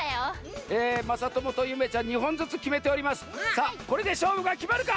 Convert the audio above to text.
さあこれでしょうぶがきまるか？